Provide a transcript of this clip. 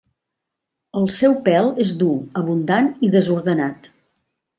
El seu pèl és dur, abundant i desordenat.